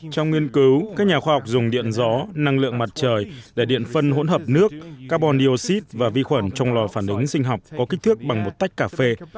trong nghiên cứu các nhà khoa học dùng điện gió năng lượng mặt trời để điện phân hỗn hợp nước carbon dioxid và vi khuẩn trong lò phản ứng sinh học có kích thước bằng một tách cà phê